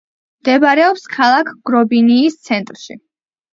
მდებარეობს ქალაქ გრობინიის ცენტრში.